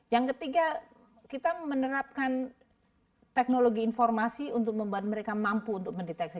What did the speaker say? yang ketiga kita menerapkan teknologi informasi untuk membuat mereka mampu untuk mendeteksi